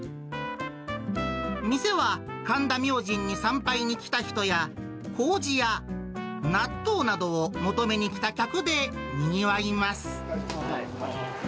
店は、神田明神に参拝に来た人や、こうじや納豆などを求めに来た客でにぎわいます。